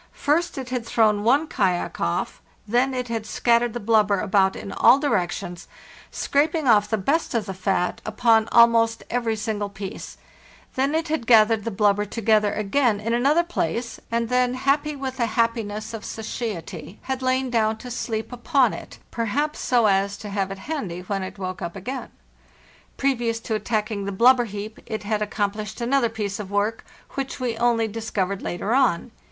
First it had thrown one kayak off, then it had scat tered the blubber about in all directions, scraping off 426 FARTHEST NORTH the best of the fat upon almost every single piece; then it had gathered the blubber together again in another place, and then, happy with the happiness of satiety, had lain down to sleep upon it, perhaps so as to have it handy when it woke up again. Previous to attack ing the blubber heap it had accomplished another piece of work, which we only discovered later on.